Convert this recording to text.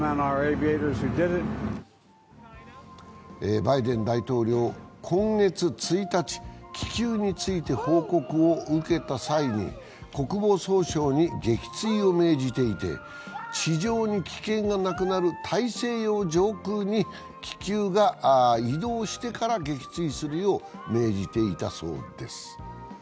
バイデン大統領、今月１日、気球について報告を受けた際に国防総省に撃墜を命じていて地上に危険がなくなる大西洋上空に気球が移動してから撃墜するよう命じていたそうです。